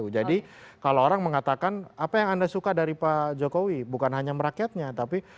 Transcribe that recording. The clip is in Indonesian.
jadi kalau orang mengatakan apa yang anda suka dari pak jokowi bukan hanya merakyatnya tapi